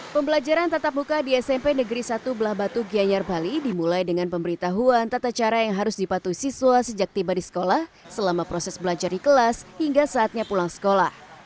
pembelajaran tatap muka di smp negeri satu belah batu giyanyar bali dimulai dengan pemberitahuan tata cara yang harus dipatuhi siswa sejak tiba di sekolah selama proses belajar di kelas hingga saatnya pulang sekolah